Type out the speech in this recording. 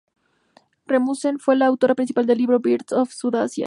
Rasmussen fue la autora principal del libro "Birds of South Asia.